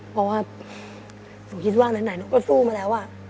เพราะว่าหนูคิดว่าไหนหนูก็สู้มาแล้ว